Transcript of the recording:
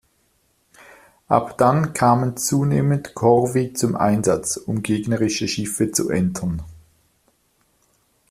Ab dann kamen zunehmend Corvi zum Einsatz, um gegnerische Schiffe zu entern.